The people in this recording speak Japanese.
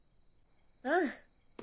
うん。